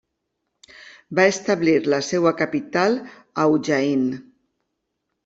Va establir la seva capital a Ujjain.